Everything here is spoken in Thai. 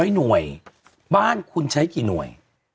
๐หน่วยบ้านคุณใช้กี่หน่วย